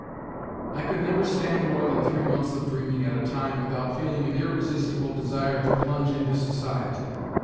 ... I could never stand more than three months of dreaming at a time without feeling an irresistible desire to plunge into society.